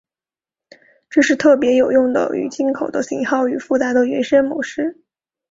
这是特别有用的与进口的型号或复杂的原生模式。